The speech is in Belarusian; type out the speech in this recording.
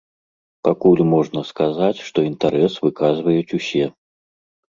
Пакуль можна сказаць, што інтарэс выказваюць усе.